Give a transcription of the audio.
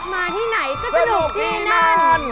มาที่ไหนก็สนุกที่นั่น